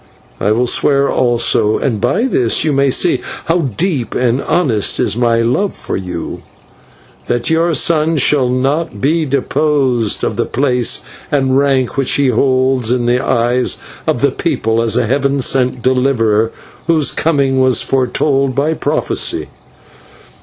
I will swear also and by this you may see how deep and honest is my love for you that your son shall not be dispossessed of the place and rank which he holds in the eyes of the people as a Heaven sent Deliverer whose coming was foretold by prophecy.